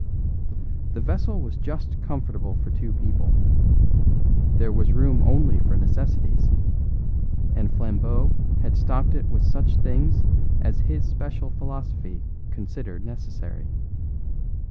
The vessel was just comfortable for two people; there was room only for necessities, and Flambeau had stocked it with such things as his special philosophy considered necessary.